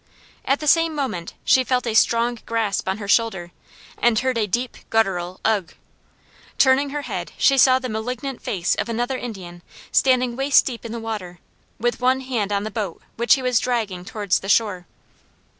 At the same moment she felt a strong grasp on her shoulder, and heard a deep guttural "ugh!" Turning her head she saw the malignant face of another Indian standing waist deep in the water, with one hand on the boat which he was dragging towards the shore.